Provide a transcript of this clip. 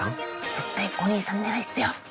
絶対お義兄さん狙いっすよ。